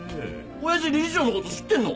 親父理事長のこと知ってんの！？